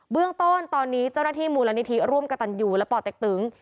เรื่องต้นตอนนี้เจ้าหน้าที่มูลนิธิร่วมกระตันยูและป่อเต็กตึง